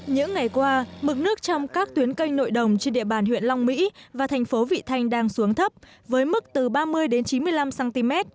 những ngày qua mực nước trong các tuyến canh nội đồng trên địa bàn huyện long mỹ và thành phố vị thanh đang xuống thấp với mức từ ba mươi chín mươi năm cm